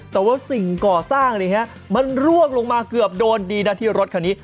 แต่ว่าสิ่งก่อสร้างมันร่วงลงมาเกือบโดนดีนะที่รถคันนี้